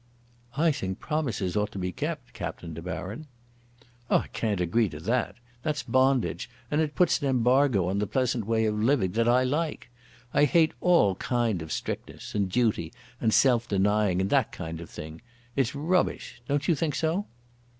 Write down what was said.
"I think promises ought to be kept, Captain De Baron." "I can't agree to that. That's bondage, and it puts an embargo on the pleasant way of living that I like. I hate all kind of strictness, and duty, and self denying, and that kind of thing. It's rubbish. Don't you think so?"